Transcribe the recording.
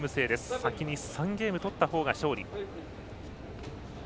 先に３ゲームとったほうの勝利。